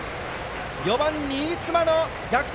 ４番、新妻の逆転